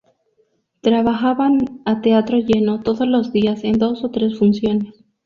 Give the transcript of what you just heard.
Trabajaban a teatro lleno todos los días en dos o tres funciones.